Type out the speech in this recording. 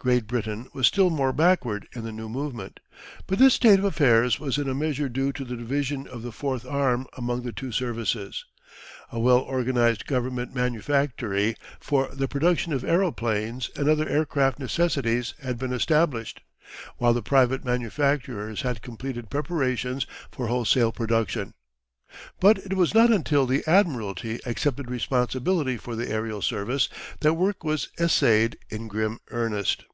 Great Britain was still more backward in the new movement. But this state of affairs was in a measure due to the division of the Fourth Arm among the two services. A well organised Government manufactory for the production of aeroplanes and other aircraft necessities had been established, while the private manufacturers had completed preparations for wholesale production. But it was not until the Admiralty accepted responsibility for the aerial service that work was essayed in grim earnest.